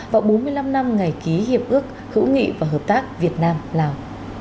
và bốn mươi năm năm ngày ký hiệp ước hữu nghị và hợp tác việt nam lào